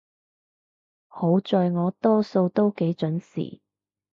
好在我多數都幾準時